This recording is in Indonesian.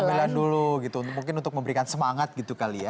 kemilan dulu gitu mungkin untuk memberikan semangat gitu kali ya